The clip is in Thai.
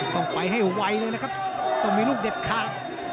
ต้องไปให้ไวเลยนะครับต้องมีลูกเด็ดขาด